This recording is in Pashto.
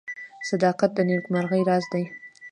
• صداقت د نیکمرغۍ راز دی.